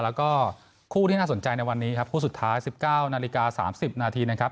แล้วก็คู่ที่น่าสนใจในวันนี้ครับคู่สุดท้าย๑๙นาฬิกา๓๐นาทีนะครับ